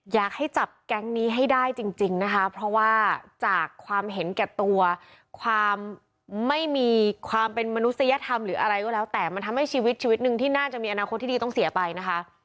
อยากให้จับแก๊งนี้ให้ได้จริงนะคะเพราะว่าจากความเห็นแก่ตัวความไม่มีความเป็นมนุษยธรรมหรืออะไรก็แล้วแต่มันทำให้ชีวิตชีวิตหนึ่งที่น่าจะมีอนาคตที่ดีต้องเสียไปนะคะ